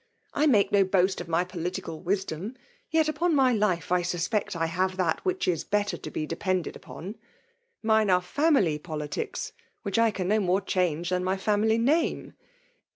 I make no boast of my political wisdom; yet, upon my life, I suspect I have that which is better to be depended upon. Mine are family politics, which I can no more change than my family name.